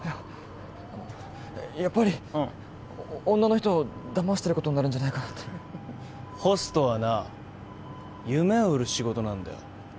あのやっぱりうん女の人をだましてることになるんじゃないかなってホストはな夢を売る仕事なんだよ